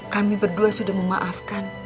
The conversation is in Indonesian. kami berdua sudah memaafkan